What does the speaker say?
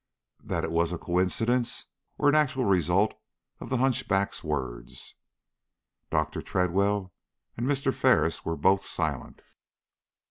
That it was a coincidence, or an actual result of the hunchback's words?" Dr. Tredwell and Mr. Ferris were both silent.